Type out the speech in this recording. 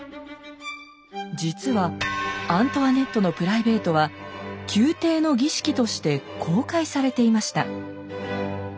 実はアントワネットのプライベートは宮廷の儀式として公開されていました。